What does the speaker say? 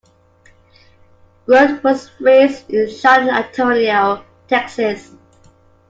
Grote was raised in San Antonio, Texas.